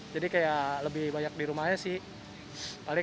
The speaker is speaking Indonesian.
jadi kayak lebih banyak di rumahnya sih